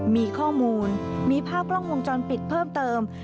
มีข้อมูลมีภาพกล้องวงจรปิดเพิ่มเติม